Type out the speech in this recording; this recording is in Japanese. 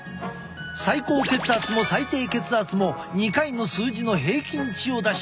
最高血圧も最低血圧も２回の数字の平均値を出してみよう。